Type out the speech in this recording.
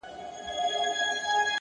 هره ورځ نوی فرصت لري،